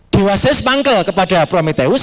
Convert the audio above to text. dewa zeus pangkal kepada prometheus